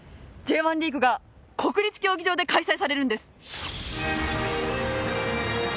Ｊ１リーグが国立競技場で開催されるんです。